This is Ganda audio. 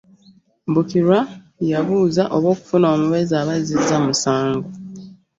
Bukirwa yababuuza oba okufuna omubeezi aba azizza omusango.